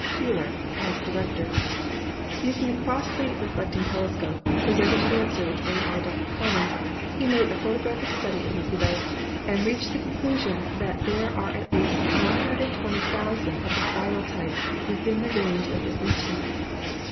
Keeler as Director, Using the Crossley reflecting telescope, presented to the Observatory by Dr. Common, he made a photographic study of nebulae, and reached the conclusion that there are at least 120,000 of the spiral type within the range of this instrument.